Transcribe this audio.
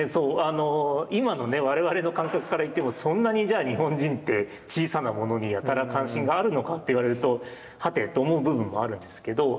今の我々の感覚から言ってもそんなにじゃあ日本人って小さなものにやたら関心があるのかって言われるとはて？と思う部分もあるんですけど。